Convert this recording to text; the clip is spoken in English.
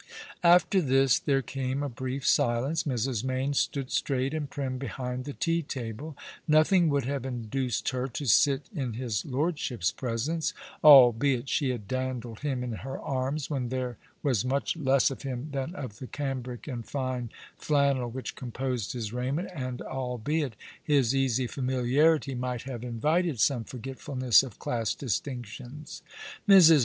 After this there came a brief silence. Mrs. Mayne stood straight and prim behind the tea table. Nothing would have induced her to sit in his lordship's presence, albeit she had dandled him in her arms when there was much less of him than of the cambric and fine flannel which composed his raiment, and albeit his easy familiarity might have invited 14 All along the River, some forgetfulness of class distinctioiis. Mrs.